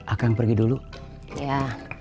akan pergi dulu ya